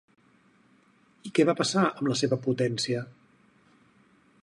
I què va passar amb la seva potència?